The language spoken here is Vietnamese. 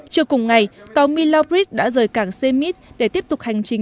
chiều cùng ngày tàu milaubride đã rời cảng cmit để tiếp tục hành trình